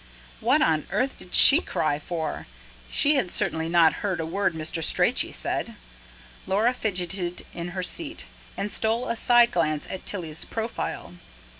What on earth did she cry for? She had certainly not heard a word Mr. Strachey said. Laura fidgeted in her seat, and stole a sideglance at Tilly's profile.